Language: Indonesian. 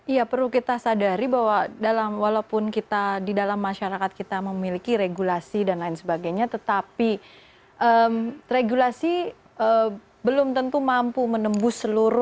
ya perlu kita sadari bahwa dalam walaupun kita di dalam masyarakat kita memiliki regulasi dan lain sebagainya tetapi regulasi belum tentu mampu menembus